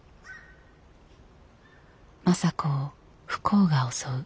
政子を不幸が襲う。